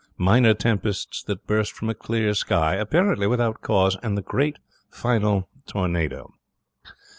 Minor tempests that burst from a clear sky, apparently without cause, and the great final tornado.